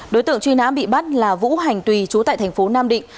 đối tượng truy nã bị bắt là vũ hành tùy chú tại thành phố nam định